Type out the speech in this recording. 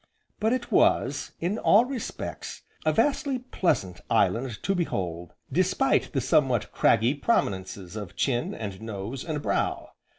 But it was, in all respects, a vastly pleasant island to behold, despite the somewhat craggy prominences of chin, and nose, and brow.